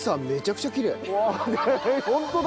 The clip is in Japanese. ホントだ。